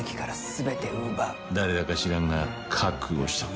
誰だか知らんが覚悟しておけ。